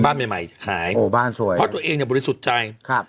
บ้านใหม่ใหม่ขายหมู่บ้านสวยเพราะตัวเองเนี่ยบริสุทธิ์ใจครับ